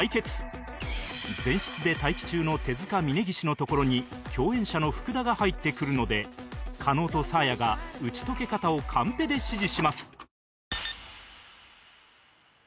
前室で待機中の手塚峯岸のところに共演者の福田が入ってくるので加納とサーヤが打ち解け方をカンペで指示します